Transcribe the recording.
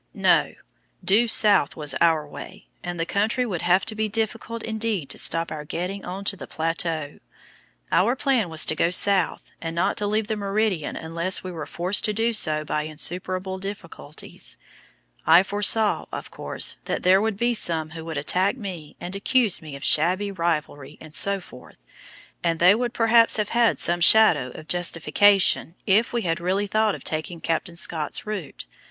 No; due south was our way, and the country would have to be difficult indeed to stop our getting on to the plateau. Our plan was to go south, and not to leave the meridian unless we were forced to do so by insuperable difficulties. I foresaw, of course, that there would be some who would attack me and accuse me of "shabby rivalry," etc., and they would perhaps have had some shadow of justification if we had really thought of taking Captain Scott's route.